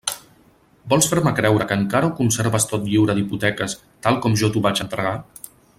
Vols fer-me creure que encara ho conserves tot lliure d'hipoteques, tal com jo t'ho vaig entregar?